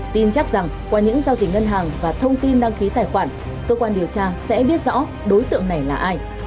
tin chắc rằng qua những giao dịch ngân hàng và thông tin đăng ký tài khoản cơ quan điều tra sẽ biết rõ đối tượng này là ai